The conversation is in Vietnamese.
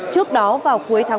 trước đó vào cuối tháng một mươi năm